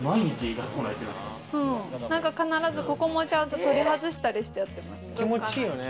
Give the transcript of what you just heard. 必ずここもちゃんと取り外したりしてやってます。